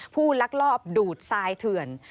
ลักลอบดูดทรายเถื่อน